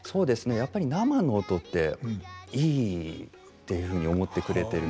やっぱり生の音っていいっていうふうに思ってくれてるみたいで。